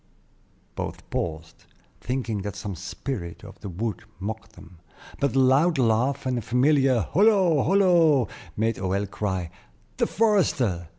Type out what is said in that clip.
Both paused, thinking that some spirit of the wood mocked them; but a loud laugh, and a familiar "Holo! holo!" made Hoël cry, "The forester!"